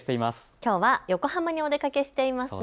きょうは横浜にお出かけしていますね。